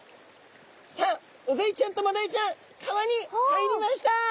さあウグイちゃんとマダイちゃん川に入りました。